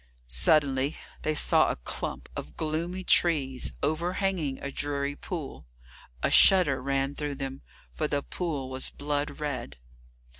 Suddenly they saw a clump of gloomy trees, overhanging a dreary pool. A shudder ran through them, for the pool was blood red.